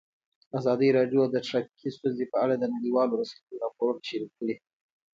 ازادي راډیو د ټرافیکي ستونزې په اړه د نړیوالو رسنیو راپورونه شریک کړي.